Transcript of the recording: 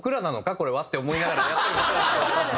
これはって思いながらやったり。